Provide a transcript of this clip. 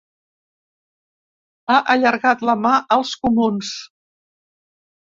Ha allargat la mà als comuns.